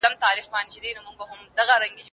زه به سبا زده کړه وکړم